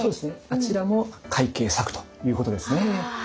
あちらも快慶作ということですね。